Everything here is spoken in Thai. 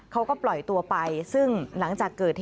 เขาก็ปล่อยตัวไปซึ่งหลังจากเกิดเหตุ